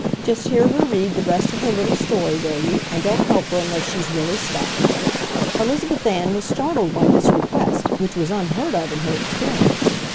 Just hear her read the rest of her little story, will you, and don't help her unless she's really stuck." Elizabeth Ann was startled by this request, which was unheard of in her experience.